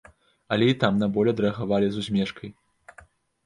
Але і там на боль адрэагавалі з усмешкай.